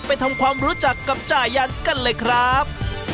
ไปทำความรู้จักกับจ่ายันกันเลยครับ